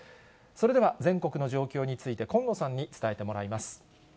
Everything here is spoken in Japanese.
それでは全国の状況について、近野さんに伝えてもらいます。